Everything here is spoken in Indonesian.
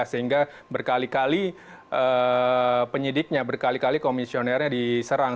sehingga berkali kali penyidiknya berkali kali komisionernya diserang